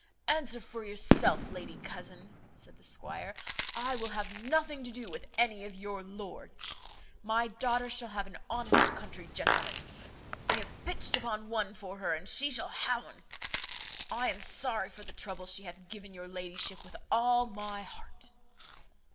"Answer for yourself, lady cousin," said the squire, "I will have nothing to do with any of your lords. My daughter shall have an honest country gentleman; I have pitched upon one for her and she shall ha' un. I am sorry for the trouble she hath given your ladyship with all my heart."